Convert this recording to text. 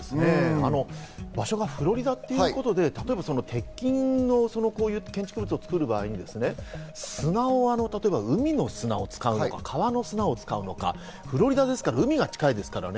場所がフロリダっていうことで、例えば鉄筋のこういう建築物を造る場合に砂を、海の砂を使うのか、川の砂を使うのかフロリダですから海が近いですからね。